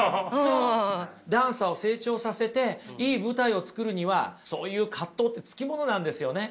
ダンサーを成長させていい舞台を作るにはそういう葛藤ってつきものなんですよね。